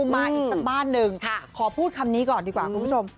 มาอีกสักบ้านหนึ่งขอพูดคำนี้ก่อนดีกว่าคุณผู้ชม